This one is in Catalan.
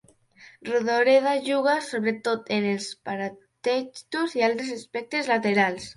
Rodoreda juga, sobretot, en els paratextos i altres aspectes laterals.